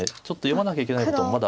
ちょっと読まなきゃいけないことも。